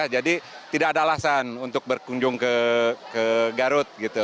jadi tidak ada alasan untuk berkunjung ke garut